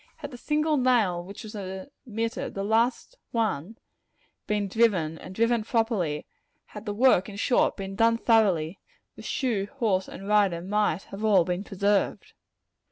Had the single nail which was omitted the last one been driven, and driven properly; had the work, in short, been done thoroughly, the shoe, horse and rider might all have been preserved.